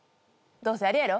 どうせあれやろ？